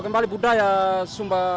kembali budaya sumba